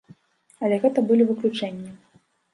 Але гэта былі выключэнні.